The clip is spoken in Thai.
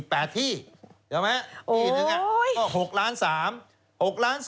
เดี๋ยวไหมนี่ถึงก็๖๓๐๐๐๐๐